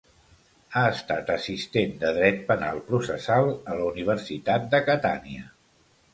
Ha estat assistent de Dret Penal Processal a la Universitat de Catània.